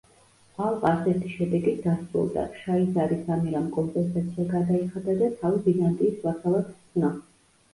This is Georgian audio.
ალყა ასეთი შედეგით დასრულდა: შაიზარის ამირამ კომპენსაცია გადაიხადა და თავი ბიზანტიის ვასალად სცნო.